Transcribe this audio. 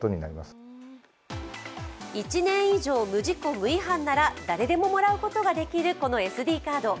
１年以上無事故・無違反なら誰でももらうことができるこのＳＤカード。